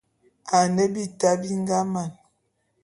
Ane bita bi nga man.